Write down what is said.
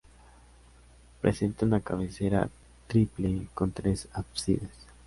Presenta una cabecera triple con tres ábsides.